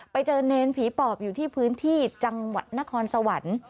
ไปเจอเนรผีปอบอยู่ที่พื้นที่จังหวัดนครสวรรค์